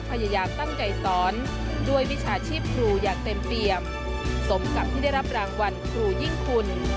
พยายามตั้งใจสอนด้วยวิชาชีพครูอย่างเต็มเปี่ยมสมกับที่ได้รับรางวัลครูยิ่งคุณ